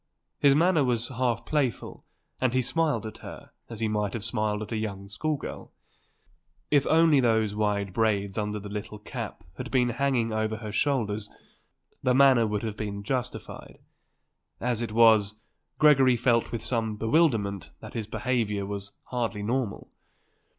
His manner was half playful and he smiled at her as he might have smiled at a young school girl. If only those wide braids under the little cap had been hanging over her shoulders the manner would have been justified. As it was, Gregory felt with some bewilderment that his behaviour was hardly normal.